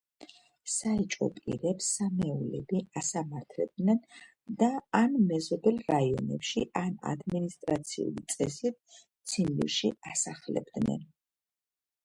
საეჭვო პირებს „სამეულები“ ასამართლებდნენ და ან მეზობელ რაიონებში, ან ადმინისტრაციული წესით ციმბირში ასახლებდნენ.